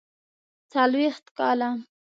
څلوېښت کاله.